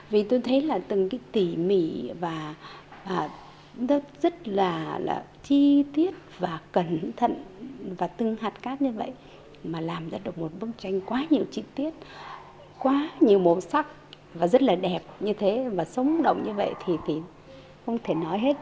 vì tôi thấy là từng cái tỉ mỉ và rất là chi tiết và cẩn thận và từng hạt cát như vậy mà làm ra được một bức tranh quá nhiều chi tiết quá nhiều màu sắc và rất là đẹp như thế và sống động như vậy thì không thể nói hết